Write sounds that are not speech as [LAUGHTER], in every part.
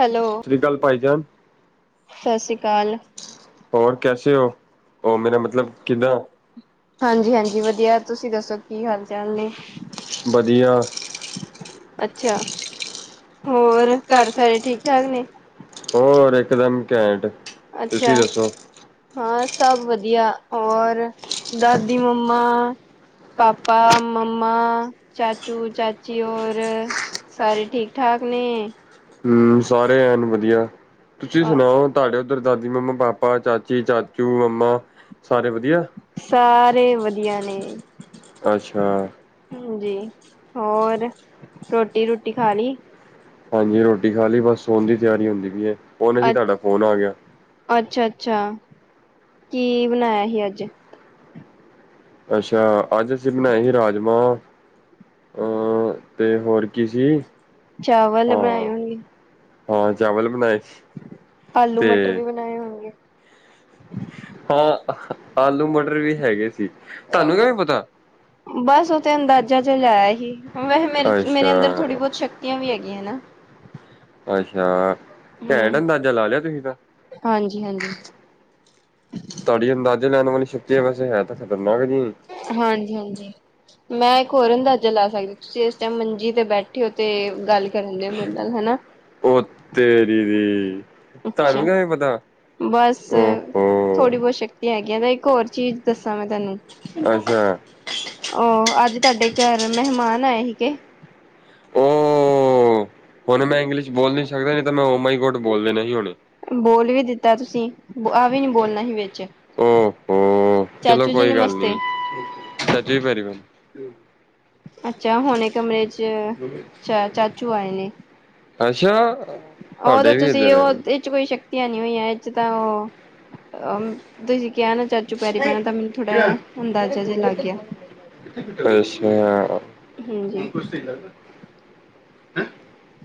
Hello, ਸਸ ਰੀ ਕਾਲ ਭਾਈਜਾਨ, ਸਸ ਰੀ ਕਾਲ, ਹੋਰ ਕੈਸੇ ਹੋ। ਉਹ ਮੇਰੇ ਮਤਲਬ ਕਿੱਦਾਂ ਹਾਂਜੀ ਹਾਂਜੀ ਵਧੀਆ ਤੁਸੀਂ ਦੱਸੋ ਕੀ ਹਾਲ ਚਾਲ ਹੈ ਵਧੀਆ ਅੱਛਾ। ਹੋਰ ਘਰ ਸਾਰੇ ਠੀਕ ਕਰਨੇ ਹੋਰ ਇਕ ਦਮ ਘੈਂਟ ਤੁਸੀਂ ਦੱਸੋ ਹਾਂ ਸਭ ਵਧੀਆ ਔਰ ਦਾਦੀ ਮੰਮਾ ਪਾਪਾ ਮੰਮਾ ਚਾਚੂ ਚਾਚੀ ਹੋਰ ਸਾਰੇ ਠੀਕ ਹੂ ਸਾਰੇ ਐਨ ਵਧੀਆ ਤੁਸੀਂ ਸੁਣਾਓ ਤੁਹਾਡੇ ਉੱਧਰ ਦਾਦੀ ਮੰਮਾ ਪਾਪਾ ਚਾਚੀ ਚਾਚੂ ਮੰਮਾ ਸਾਰੇ ਵਧੀਆ ਸਾਰੇ ਵਧੀਆ ਨੇ ਅੱਛਾ। ਹਾਂਜੀ ਹੋਰ ਰੋਟੀ ਰੂਟੀ ਖਾ ਲਈ ਹਾਂਜੀ ਰੋਟੀ ਖਾ ਲਈ ਬਸ ਸੋਨ ਦੀ ਤਿਆਰੀ ਹੁੰਦੀ ਪਈ ਹੈ। ਓਨੇ ਚ ਹੀ ਤੁਹਾਡਾ ਫੋਨ ਆ ਗਿਆ ਅੱਛਾ ਅੱਛਾ ਕੀ ਬਣਾਇਆ ਹੀ ਅੱਜ ਅੱਛਾ ਅੱਜ ਅਸੀਂ ਬਣਾਏ ਸੀ ਰਾਜਮਾਂ ਅਹ ਤੇ ਹੋਰ ਕੀ ਸੀ ਚਾਵਲ ਬਣਾਏ ਹਾਂ ਹਾਂ ਚਾਵਲ ਬਣਾਏ ਤੇ ਨਏ ਹੋਣਗੇ ਹਾਂ ਆਲੂ ਮਟਰ ਵੀ ਹੈਗੇ ਸੀ ਤੁਹਾਨੂੰ ਕਿਵੇਂ ਪਤਾ ਬਸ ਉਸ ਦਿਨ ਗਾਜਰ ਚ ਲਗਾਇਆ ਸੀ ਵਸੇ ਮੇਰੇ ਕੋਲ ਛੁੱਟੀਆਂ ਵੀ ਹੈਗੀਆਂ ਨਾ ਅੱਛਾ ਘੈਂਟ ਹੁੰਦਾ ਜਲਾਜਾ ਤੇਰੀ ਦਾ ਹਾਂਜੀ ਹਾਂਜੀ ਤੁਹਾਡੀ ਅੰਦਾਜ਼ੇ ਲੈਣ ਵਾਲੀ ਸ਼ਕਤੀ ਵੈਸੇ ਹੈ ਤਾਂ ਖਤਰਨਾਕ ਜੀ ਹਾਂਜੀ ਹਾਂਜੀ ਮੈਂ ਇੱਕ ਹੋਰ ਅੰਦਾਜ਼ਾ ਲਾ ਸਕਦੀ ਤੁਸੀਂ ਇਸ ਟਾਈਮ ਮੰਜੀ ਤੇ ਬੈਠੇ ਹੋ ਤੇ ਗੱਲ ਕਰਨ ਡਓ ਮੇਰੇ ਨਾਲ ਹਨਾ ਉਹ ਤੇਰੀ ਦੀ ਤੁਹਾਨੂੰ ਕਿਵੇਂ ਪਤਾ ਬਸ ਉਹੋ ਥੋੜੀ ਬਹੁਤ ਸਕਤੀਆ ਹਗੀਆ ਨੇ ਇੱਕ ਹੋਰ ਚੀਜ਼ ਦਸਾ ਮੈ ਤੁਹਾਨੂੰ ਅੱਛਾ ਉਹ ਅੱਛਾ ਜੀ ਅੱਜ ਸਾਡੇ ਮਹਿਮਾਨ ਆਏ ਸੀ। ਉਹ ਹੁਣ ਮੈਂ ਇੰਗਲਿਸ਼ ਬੋਲ ਨੀ ਸਕਦਾ ਨਹੀਂ ਤਾਂ ਮੈਂ ਓ ਮਾਈ ਗੋਡ ਬੋਲ ਦੇਣਾ ਹੀ ਹੋਣ ਬੋਲਦੇ ਕਿੱਦਾਂ ਤੁਸੀਂ [UNINTELLIGIBLE] ਓ ਹੋ ਚਲੋ ਕੋਈ ਗੱਲ ਨੀ ਇੱਥੇ ਹੀ ਫਿਰ ਆਓ ਅੱਛਾ ਹੁਣੇ ਕਮਰੇ ਚ- ਚਾਚੂ ਆਏ ਨੇ, ਅੱਛਾ ਉਹ ਤਾਂ ਤੁਸੀਂ ਉਹ ਇਹਦੇ ਚ ਕੋਈ ਸ਼ਕਤੀਆਂ ਨਹੀਂ ਏ। ਇਹਦੇ ਚ ਤਾਂ ਉਹ ਅਹ ਤੁਸੀਂ ਕਿਹਾ ਨਾ ਚਾਚੂ ਪੈਰੀ ਪਿੰਨ ਤਾ ਮੈਨੂੰ ਥੋੜਾ ਜਿਹਾ ਅੰਦਾਜ਼ਾ ਜਿਹਾ ਲੱਗ ਗਿਆ। ਅੱਛਾ। [INAUDIBLE]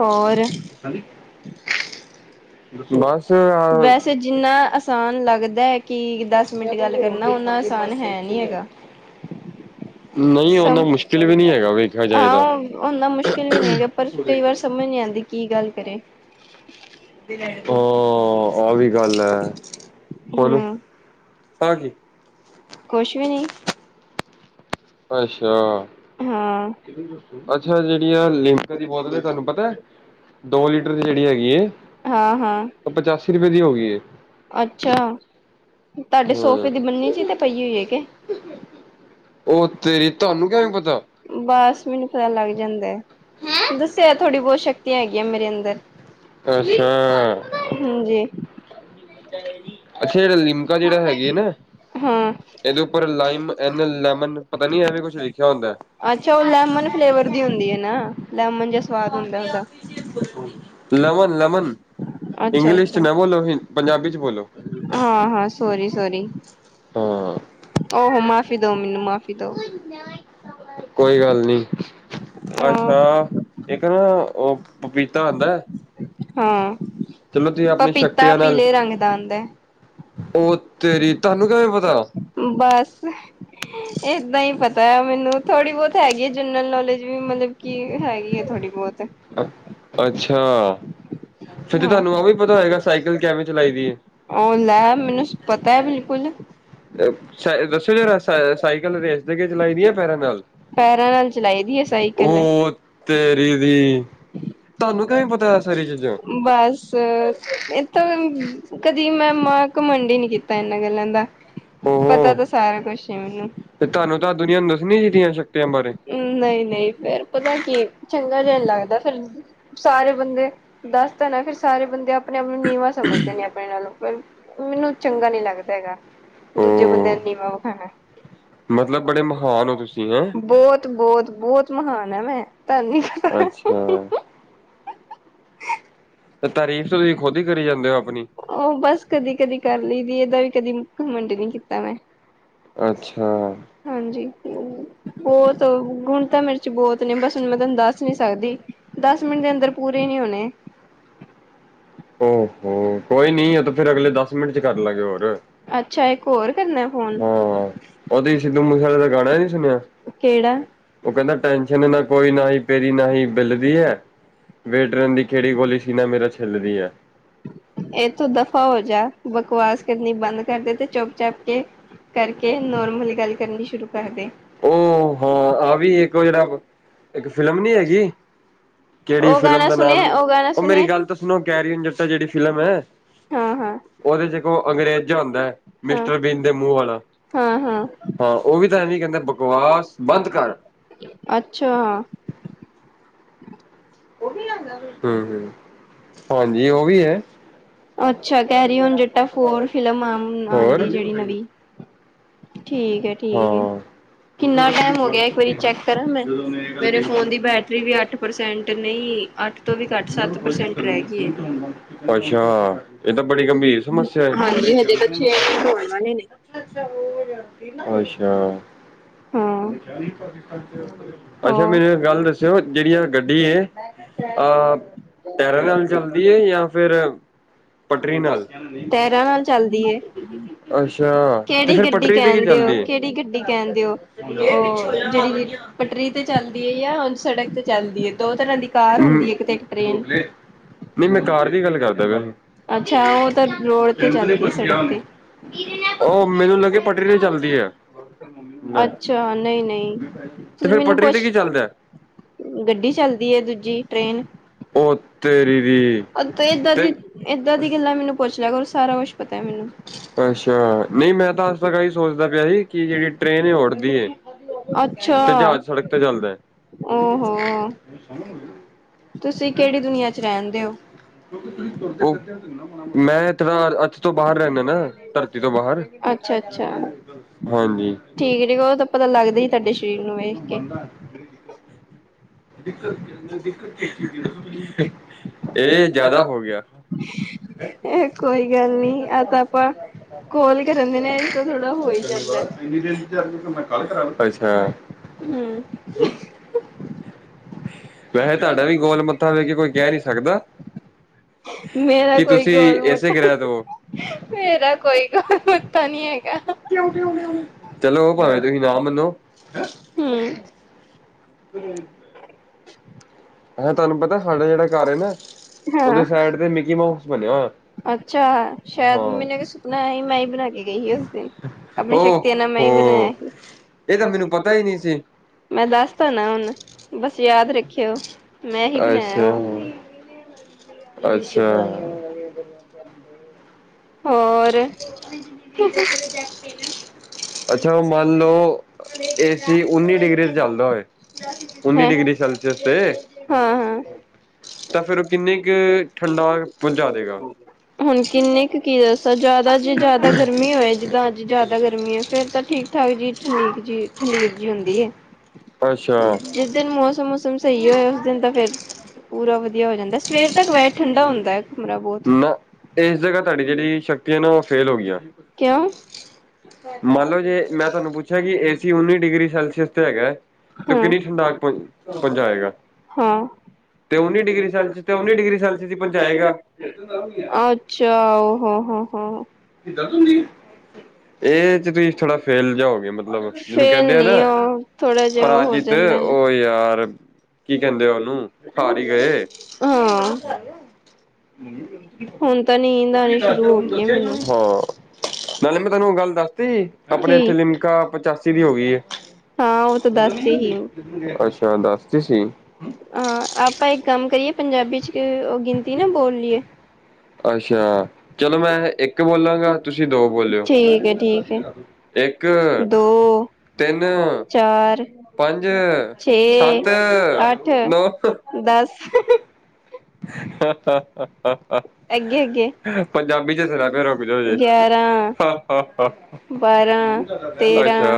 ਹੋਰ [UNINTELLIGIBLE] ਬਸ ਵੈਸੇ ਜਿੰਨਾ ਇਨਸਾਨ ਲੱਗਦਾ ਹੈ ਕਿ [UNINTELLIGIBLE] ਨਹੀਂ ਹੈਗਾ। ਸਮ ਆਓ ਇੰਨਾ ਮੁਸ਼ਕਿਲ ਵੀ ਨਹੀਂ ਹੈਗਾ ਪਰ ਕਈ ਵਾਰ ਸਮਝ ਨੀ ਆਉਂਦੀ ਕੀ ਗੱਲ ਕਰੇ। ਆ ਵੀ ਗੱਲ ਹੈ, ਖੋਲੋ ਹਾਂਜੀ ਕੁਛ ਵੀ ਨਹੀਂ ਅੱਛਾ। ਹਾਂ ਅੱਛਾ ਜਿਹੜੀ ਆ ਲਿਮਕਾ ਦੀ ਬੋਤਲ ਹੈ ਤੁਹਾਨੂੰ ਪਤਾ ਦੋ ਲੀਟਰ ਦੀ ਜਿਹੜੀ ਹੈਗੀ ਉਹ ਪਚਾਸੀ ਰੁਪਏ ਦੀ ਹੋ ਗਈ ਅੱਛਾ ਤੁਹਾਡੇ ਸੋਫੇ ਦੀ ਬੰਨੀ ਜਿ ਤੇ ਪਈ ਹੋਈ ਹੈ ਕੇ ਓਹ ਤੇਰੀ ਤੁਹਾਨੂੰ ਕਿਵੇਂ ਪਤਾ ਬਸ ਮੈਨੂੰ ਪਤਾ ਲੱਗ ਜਾਂਦਾ ਹੈ ਦੱਸਿਆ ਹੈ ਥੋੜੀ ਬਹੁਤ ਸ਼ਕਤੀਆਂ ਹੈਗੀਆਂ ਮੇਰੇ ਅੰਦਰ [UNINTELLIGIBLE] ਹਾਂਜੀ ਅੱਛਾ ਜਿਹੜਾ ਲਿਮਕਾ ਜਿਹੜਾ ਹੈਗੇ ਆ ਨਾ। ਇਹਦੇ ਉੱਪਰ ਲਾਈਮਨ ਲੈਮਨ ਪਤਾ ਨੀ ਵੀ ਕੁਛ ਲਿਖਿਆ ਹੁੰਦਾ। ਅੱਛਾ ਉਹਦੀ- [UNINTELLIGIBLE] ਲੈਮਨ-ਲੈਮਨ ਇੰਗਲਿਸ਼ ਚ ਨਾ ਬੋਲੋ, ਪੰਜਾਬੀ ਚ ਬੋਲੋ। ਹਾਂ। ਹਾਂ। ਸੋਰੀ-ਸੋਰੀ ਓ ਮਾਫ਼ੀ ਦਓ, ਮੈਨੂੰ ਮਾਫ਼ੀ ਦਓ, [INAUDIBLE] ਕੋਈ ਗੱਲ ਨੀ। ਅੱਛਾ। ਇੱਕ ਨਾ ਉਹ ਪਪੀਤਾ ਆਂਦਾ। ਹਾਂ [INAUDIBLE] ਪਪੀਤਾ ਪੀਲੇ ਰੰਗ ਦਾ ਆਦਾ। ਓ ਤੇਰੀ, ਤੁਹਾਨੂੰ ਕਿਵੇ ਪਤਾ, ਬਸ ਈਦਾ ਈ ਪਤਾ। ਪਤਾ ਮੈਨੂੰ, ਥੋੜੀ ਬਹੁਤ ਹੈਗੀ ਆ, ਜਨਰਲ ਨੌਲੇਜ ਵੀ ਮਤਲਬ, ਕੀ ਹੈਗੀ ਆ ਥੋੜੀ ਬਹੁਤ। ਅੱਛਾ‌। [UNINTELLIGIBLE] ਓ ਲੈ, ਮੈਨੂੰ ਪਤਾ ਹੈ ਬਿਲਕੁਲ। ਦੱਸੋ ਜਰਾ‌! ਸਾਈਕਲ ਰੇਸ ਦੇ ਕੇ ਚਲਾਈ ਦੀ ਆ ਪੈਰਾਂ ਨਾਲ। ਪੈਰਾਂ ਨਾਲ ਚਲਾਈਦੀ ਆ ਸਾਈਕਲ, ਓ ਤੇਰੀ ਦੀ। ਤੁਹਾਨੂੰ ਕਿਵੇ ਪਤਾ? ਬਸ ਇਹ ਤਾਂ ਕਦੀ ਮੈਂ ਮਾਂ ਘਮੰਡੀ ਨੀ ਕੀਤੀ। ਤਾਂ ਏ ਲੈਂਦਾ। ਪਤਾ ਤਾਂ ਸਾਰਾ ਕੁਛ ਈ ਆ ਮੈਨੂੰ। ਨਹੀਂ-ਨਹੀਂ ਫੇਰ ਪਤਾ ਕੀ, ਚੰਗਾ ਜਿਹਾ ਨੀ ਲੱਗਦਾ ਫਿਰ ਸਾਰੇ ਬੰਦੇ ਦੱਸ ਤਾ ਨਾ, ਫਿਰ ਸਾਰੇ ਬੰਦੇ ਆਪਣੇ ਆਪ ਨੂੰ ਨੀਵਾਂ ਸਮਝਦੇ ਨੇ ਆਪਣੇ ਨਾਲੋਂ ਫਿਰ ਮੈਨੂੰ ਚੰਗਾ ਨੀ ਲੱਗਦਾ ਹੈਗਾ, ਦੂਜੇ ਬੰਦਿਆਂ ਨੂੰ ਨੀਵਾਂ ਵਿਖਾਉਣਾ। ਮਤਲਬ ਬੜੇ ਮਹਾਨ ਹੋ ਤੁਸੀਂ ਹੈਂ। ਬਹੁਤ-ਬਹੁਤ ਬਹੁਤ ਮਹਾਨ ਆ ਮੈਂ। ਤੁਹਾਨੂੰ ਨੀਸੀ ਪਤਾ। [UNINTELLIGIBLE] ਓ ਬਸ ਕਦੀ-ਕਦੀ ਕਰ ਲਈਦੀ ਇਹਦਾ, ਵੀ ਕਦੀ ਘਮੁੰਡ ਨੀ ਕੀਤਾ ਮੈਂ। ਅੱਛਾ! ਹਾਂਜੀ। ਬਹੁਤ ਗੁਣ ਤਾਂ ਮੇਰੇ ਚ ਬਹੁਤ ਨੇ ਬਸ ਹੁਣ ਮੈਂ ਤੁਹਾਨੂੰ ਦੱਸ ਨੀ ਸਕਦੀ। ਦਸ ਮਿੰਟ ਦੇ ਅੰਦਰ ਪੂਰੇ ਨਹੀਂ ਹੋਣੇ ਓਹੋ ਕੋਈ ਨੀ ਤਾਂ ਫੇਿਰ ਅਗਲੇ ਦਸ ਮਿੰਟ ਚ ਕਰ ਲਾਂਗੇ ਹੋਰ। [UNINTELLIGIBLE] ਹਾਂ ਉਹਦੇ ਸਿੱਧੂ ਮੂਸੇਵਾਲੇ ਦਾ ਗਾਣਾ ਨੀ ਸੁਣਿਆ ਉਹ ਕਹਿੰਦਾ ਟੈਸ਼ਨ ਨਾ ਕੋਈ ਨਾ ਹੀ ਪੇਰੀ ਨਾਹੀ ਬਿੱਲਦੀ ਹੈ। ਵੇਟਰਨ ਦੀ ਕਿਹੜੀ ਗੋਲੀ ਸੀਨਾ ਮੇਰਾ ਛਲਦੀ ਹੈ। [INAUDIBLE] ਇਥੋ ਦਫ਼ਾ ਹੋ ਜਾ ਬਕਵਾਸ ਕਰਨੀ ਬੰਦ ਕਰਦੇ ਤੇ ਚੁੱਪ-ਚੁੱਪ ਕੇ ਕਰਕੇ ਨੋਰਮਲੀ ਗੱਲ ਕਰਨੀ ਸ਼ੁਰੂ ਕਰਦੇ। ਓ ਹਾ ਆ ਵੀ ਇੱਕ ਜਿਹੜਾ ਇੱਕ ਫਿਲਮ ਨੀ ਹੈਗੀ। ਕਿਹੜੀ ਫਿਲਮ ਦਾ ਨਾਮ ਉਹ ਮੇਰੀ ਗੱਲ ਤਾਂ ਸੁਣੋ, ਕੈਰੀਓਨ ਜੱਟਾ ਜਿਹੜੀ ਫਿਲਮ ਹੈ। ਹਾਂ। ਓ ਦੇ ਚ ਇੱਕ ਓ ਅੰਗਰੇਜ ਜਿਹਾ ਹੁੰਦਾ, ਮਿਸਟਰ ਬੀਨ ਦੇ ਮੂੰਹ ਵਾਲਾ ਹਾਂ ਹਾਂ ਉਹ ਵੀ ਤਾਂ ਬਕਵਾਸ ਬੰਦ ਕਰ, ਅੱਛਾ,,, ! ਉਹ ਵੀ ਲਿਆਂਦਾ ਫੇਰ ਹੂੰ ਹੂੰ ਹਾਂਜੀ ਉਹ ਵੀ ਹੈ। ਅੱਛਾ, ਕੇਰੀ ਐਨ ਜੱਟਾਂ ਫੋਰ ਫਿਲਮ ਹੋਰ ਠੀਕ ਹੈ, ਹਾਂ। [UNINTELLIGIBLE] [UNINTELLIGIBLE] ਅੱਛਾ। ਇਹ ਤਾਂ ਬੜੀ ਗੰਭੀਰ ਸਮੱਸਿਆ ਹੈ। [UNINTELLIGIBLE] [UNINTELLIGIBLE] ਅੱਛਾ। ਅੱਛਾ ਮੈਨੂੰ ਇੱਕ ਗੱਲ ਦੱਸਿਓ ਜਿਹੜੀ ਆ ਗੱਡੀ ਅਹ ਤੈਰਾਂ ਨਾਲ ਚੱਲਦੀ ਹੈ ਜਾਂ ਫਿਰ ਟੈਰਾ ਨਾਲ ਚਲਦੀ ਐ। ਅੱਛਾ ਤੇ ਫੇਿਰ ਪਟਰੀ ਤੇ ਕੀ ਚੱਲਦੀ। ਪਟਰੀ ਤੇ ਚੱਲਦੀ ਯਾ ਸੜਕ ਤੇ ਚੱਲਦੀ ਹੈਏ ਦੋ। ਅਧਿਕਾਰ ਪ੍ਰ ਨਹੀਂ ਮੈਂ ਕਾਰ ਦੀ ਗੱਲ ਕਰਦਾ ਗ। ਉਹ ਮੈਨੂੰ ਲੱਗੇਿਆ ਪਟਰੀ ਤੇ ਚੱਲਦੀ ਹੈ। ਤੇ ਫੇਿਰ ਪਟਰੀ ਤੇ ਕੀ ਚੱਲਦਾ। ਗੱਡੀ ਚੱਲਦੀ ਹੈ ਦੂਜੀ ਟ੍ਰੇਨ। ਏਦਾਂ ਦੀ ਏਦਾਂ ਦੀ ਕਿੱਲ ਮੈਨੂੰ ਪੁੱਛ ਲਿਆ ਕਰ ਸਾਰਾ ਕੁਛ ਪਤਾ ਮੈਨੂੰ। ਅੱਛਾ ਨਹੀਂ ਮੈਂ ਤਾਂ ਅੱਜ ਤੱਕ ਆਹੀ ਸੋਚਦਾ ਪਿਆ ਸੀ ਕਿ ਜਿਹੜੀ ਟ੍ਰੇਨ ਉਠਦੀ ਤੇ ਜਹਾਜ਼ ਸੜਕ ਤੇ ਚੱਲਦਾ। ਤੁਸੀਂ ਕਿਹੜੀ ਦੁਨੀਆਂ ਚ ਰਹਿਣਦੇ ਹੋ। ਮੈਂ ਇਥੇ ਦਾ ਅੱਥ ਤੋਂ ਬਾਹਰ ਰਹਿੰਦਾ ਨਾ ਧਰ ਤੋਂ ਬਾਹਰ ਹਾਂਜੀ। ਮੰਦਾ। ਇਹ ਜ਼ਿਆਦਾ ਹੋ ਗਿਆ। ਇਹ ਕੋਈ ਗੱਲ ਨੀ ਅ ਆਪਾਂ ਖੋਲ ਕੇ ਦਹਿੰਦੇ ਨੇ ਥੋੜਾ ਹੋ ਇ ਜਾਂਦਾ। ੈਂ ਕਾਲ ਕਰ ਅੱਛਾ। ਹਮ। ਹ ਤਾਂ ਬ ਮੇਰਾ ਕੋਈ ਗੋਲਮਟ ਮੇਰਾ ਕੋਈ ਗੋਲਮ ਤਾਂ ਨਹੀਂੀ ਹੈਗਾ। ਚਲੋ ਉਹ ਭਾਵੇਂ ਤੁਸੀਂ ਨਾ ਮੰਨੋ। ਹਮ। ਤ। [INAUDIBLE] ਅ ਤੁਹਾਨੂੰ ਪਤਾ ਸਾਡਾ ਜਿਹੜਾ ਘਰ ਨਾ ਉਹਦੇ ਸਾਈਡ ਤੇ ਮਿਕੀ ਮਾਓਸ ਬਣਿਆ ਹੋਆ। ਅੱਛਾ ਸ਼ਾਇਦ ਵੀ ਮੈਨੂੰ ਸੁਪਨਾ ਹੈ ਸੀ ਮੈਂ ਹੀ ਬਣਾ ਕੇ ਗਈ ਸੀ ਉਸਦੇ। ਆਪਣੀ ਸ਼ਕਤੀ ਮੈਂ ਹੀ ਬਣਾਇਆ ਸੀੈੂੰ ਪ ਮੈਂ ਦੱਸ ਤਾ ਣਾ ਹੁਣ ਬਸ ਯਾਦ ਰੱਖਿਓ। ਅੱਛਾ ਅੱਛਾ। ਹੋਰ। ਅੱਛਾ ਮੰਨ ਲਓ ਏਸੀ ਉੱਨੀ ਡਿਗਰੀ ਤੇ ਚੱਲਦਾ ਹੋਏ ਉੱਨੀ ਡਿਗਰੀ ਸੈਲਸੀਅਸ ਤੇ। ਤਾਂ ਫੇਰ ਉਹ ਕਿੰਨਨੀ ਕੁ ਠੰਡਾ ਪਹੁੰਚਾ ਦੇਗਾ? ਸ ਗਰਮੀ ਹੋ ਜ਼ਿਆਦਾ ਗਰਮੀ ਆ। ਫਿਰ ਤਾਂ ਠੀਕ ਠਾਕ ਜੀ ਕੌਲਿੰਗ ਹੁੰਦੀ ਹੈ। ਅੱਛਾ ਮੌ ਠ ਹ ਨਾ ਇਸ ਜਗਾ। ਸਾਡੀ ਜਿਹੜੀ ਸ਼ਕਤੀ ਆ ਨਾ ਉਹ ਫੇਲ ਹੋ ਗਈਆਂ। ਮੰਨ ਲਓ ਜੇ ਮੈਂ ਤੁਹਾਨੂੰ ਪੁੱਛਿਆ ਕਿ ਏਸੀ ਉੱਨੀ ਡਿਗਰੀ ਸੈਲਸੀਅਸ ਤੇ ਹੈਗਾ ਤੇ ਕਿੰਨੀ ਠੰਡਾਕ ਪਹੁੰਚਾਏਗਾ? ਤੇ ਉਨੀ ਡਿਗਰੀ ਸੈਲਸੀਅਸ ਤੇ ਉੱਨੀ ਡਿਗਰੀ ਸੈਲਸੀਅਸ ਪਹੁੰਚਾਏਗਾ। ਅੱਛਾ ਹਾਂ ਹ ਹਾਂ। ਇਹ। ਤੁਸੀਂ ਥੋੜਾ ਫੇਲ ਜਾਓਗੇ ਮਤਲਬ ਜਿਹਨੂੰ ਕਹਿੰਦੇ ਆ ਨਾ ਪਰਾਜੀਤ। ਤੇ ਉਹ ਯਾਰ। ਕੀ ਕਹਿੰਦੇ ਆ ਉਹਨੂੰ ਹਾਰ ਹੀ ਗਏ। ਹਾਂ ਨਾਲੇ ਮੈਂ ਤੁਹਾਨੂੰ ਗੱਲ ਦੱਸ ਤੀ ਆਪਣੇ ਇੱਥੇ ਲਿਮਕਾ ਪਚਾਸੀ ਦੀ ਹੋ ਗਈ ਹੈ ਅੱਛਾ ਦੱਸ ਸੀ। ਹਾਂ ਆਪਾਂ ਇੱਕ ਕੰਮ ਕਰੀਏ ਪੰਜਾਬੀ ਚ ਉਹ ਗਿਣਤੀ ਨਾ ਬੋਲ ਲਈਏ। ਅੱਛਾ। ਚਲੋ ਮੈਂ ਇੱਕ ਬੋਲਾਂਗਾ ਤੁਸੀਂ ਦੋ ਬੋਲਿਓ ਇੱਕ। ਤਿੰਨ, ਪੰਜ, ਸੱਤ। ਨ ਹਾ, ਹਾ, ਹਾ। ਪੰਜਾਬੀ ਚ ਸਿਰਾ ਫਿਰ ਰੁਕ ਜਾਓ ਜੇ। ਅੱਛਾ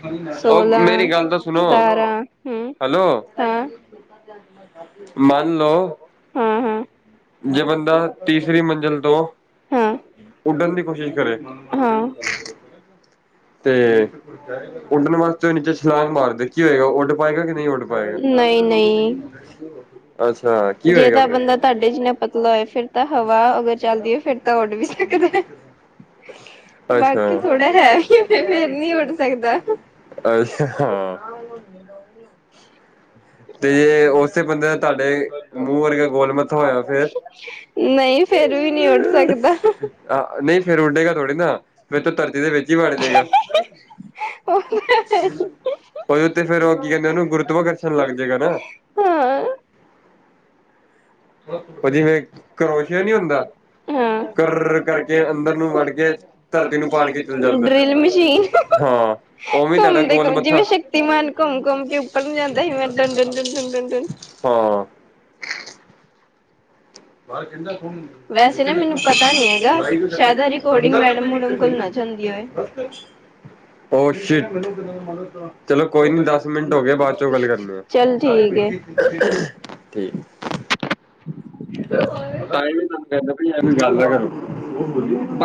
ਉਹ ਮੇਰੀ ਗੱਲ ਤਾਂ ਸੁਣੋ ਹੈਲੋ। ਮੰਨ ਲੋਓ। ਹਾਂ, ਹਾਂ, ਹਾਂ ਹਾਂ। ਤੇ ਉੱਡਣ ਵਾਸਤੇ ਉਹ ਨੀਚੇ ਛਲਾਂਗ ਮਾਰਦੇ ਕੀ ਹੋਏਗਾ ਉੱਡ ਪਾਏਗਾ ਕਿ ਨਹੀਂ ਉੱਡ ਪਾਏਗਾ। ਨਹੀਂ ਜੇ ਤਾਂ। ਬੰਦਾ ਤੁਹਾਡੇ ਜਿਨਾ ਪਤਲਾ ਹੋਏ ਫਿਰ ਤਾਂ ਹਵਾ ਅਗਰ ਚੱਲਦੀ ਹੈ ਫਿਰ ਤਾਂ ਉੱਡ ਵੀ ਸਕਦਾ। ਅੱਛਾ ਅੱਛਾ, ਅਛਾ। ਤੇ ਉਥੇ ਬੰਦੇ ਤੁਹਾਡੇ ਮੂੰਹ ਵਰਗੇ। ਨਹੀਂ ਫਰ ਵੀ ਨਹੀਂ ਉੱਡ ਸਕਦਾ। ਫਿਰ ਉਡੇ ਥੋੜੀ ਫਿਰ ਤੂੰ ਧਰਦੀ ਦੇ ਵਿੱਚ ਹੀ ਵੜ। ਹ ਤੇ ਫੂੰ ਲੱਗ ਜਾਗਾ ਹਾਂ ਕਰੋਸ਼ੀਆ ਨੀ ਹੁੰਦਾ ਗਰ ਕਰਕੇ ਅੰਦਰ ਨੂੰ ਮਲ ਕੇ। ਧਰਦੀ ਨੂੰ ਪਾ ਕੇ ਡਰਿਲ ਮਸ਼ੀਨ ਘੁੰਮਦੇ ਘਮ ਜਿਵੇਂ। ਸ਼ਕਤੀਮਾਨ ਘੁੰਮ ਘੁੰਮ ਕੇ ਉੱਪਰ ਨੂੰ ਜਾਂਦਾ ਸੀ ਮੈਂ ਡ ਡਨ ਡ ਡਨ ਡਡਣ ਵੈਸੇ ਨਾ ਮੈਨੂੰ ਪਤਾ ਨ ਹੈਗਾ। ਅਛ ਓ ਸ਼ਟ ਚਲੋ ਕੋਈ ਨੀ ਦਸ ਮਿੰਟ ਹੋ ਗਏ ਬਾਅਦ ਚੋਂ ਗੱਲ ਕਰਨੀ ਆ। ਚਲ ਠੀਕ ਹ। ਵੀ ਤੁਹਾਨੂੰ ਕਹਿੰਦਾ ਗੱਲ ਨਾ ਕਰੋ।